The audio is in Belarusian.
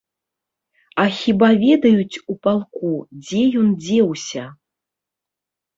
А хіба ведаюць у палку, дзе ён дзеўся?